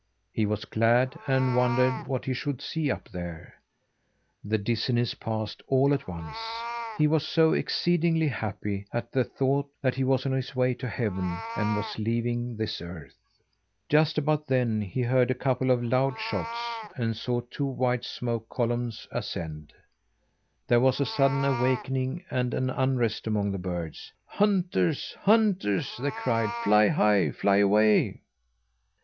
He was glad, and wondered what he should see up there. The dizziness passed all at once. He was so exceedingly happy at the thought that he was on his way to heaven and was leaving this earth. Just about then he heard a couple of loud shots, and saw two white smoke columns ascend. There was a sudden awakening, and an unrest among the birds. "Hunters! Hunters!" they cried. "Fly high! Fly away!"